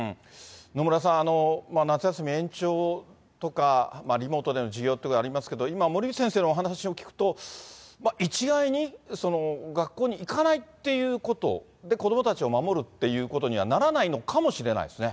野村さん、夏休み延長とか、リモートでの授業というのはありますけれども、今、森内先生のお話を聞くと、一概に、学校に行かないっていうことが、子どもたちを守るということにはならないのかもしれない。